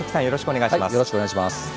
よろしくお願いします。